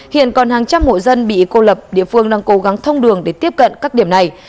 hiện còn hàng trăm hộ dân bị cô lập địa phương đang cố gắng thông đường để tiếp cận các điểm này